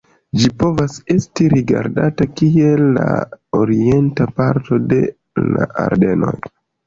Ĝi povas esti rigardata kiel la orienta parto de la Ardenoj.